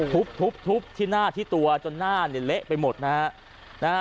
ทุบทุบที่หน้าที่ตัวจนหน้าเนี่ยเละไปหมดนะฮะ